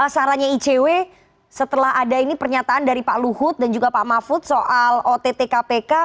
sarannya icw setelah ada ini pernyataan dari pak luhut dan juga pak mahfud soal ott kpk